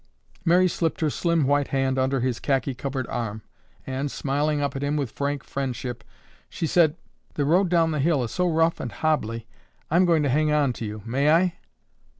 Mary slipped her slim, white hand under his khaki covered arm, and, smiling up at him with frank friendship, she said, "The road down the hill is so rough and hobbly, I'm going to hang on to you, may I?"